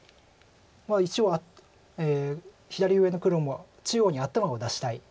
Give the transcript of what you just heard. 一応左上の黒も中央に頭を出したい。